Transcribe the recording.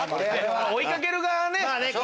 追いかける側はね。